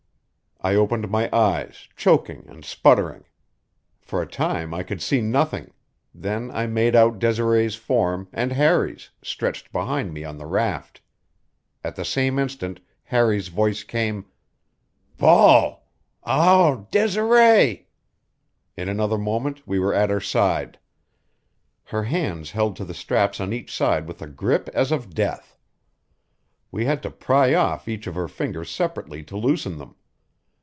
I opened my eyes, choking and sputtering. For a time I could see nothing; then I made out Desiree's form, and Harry's, stretched behind me on the raft. At the same instant Harry's voice came: "Paul! Ah, Desiree!" In another moment we were at her side. Her hands held to the straps on each side with a grip as of death; we had to pry off each of her fingers separately to loosen them.